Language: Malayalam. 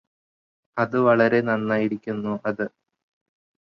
അത് വളരെ നന്നായിരിക്കുന്നു അത്